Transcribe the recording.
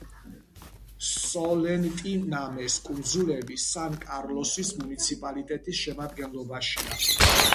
სოლენტინამეს კუნძულები სან კარლოსის მუნიციპალიტეტის შემადგენლობაშია.